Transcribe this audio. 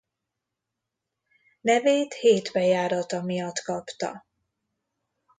Nevét hét bejárata miatt kapta.